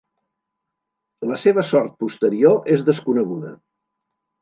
La seva sort posterior és desconeguda.